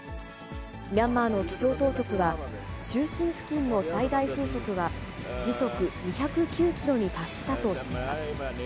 ミャンマーの気象当局は、中心付近の最大風速は時速２０９キロに達したとしています。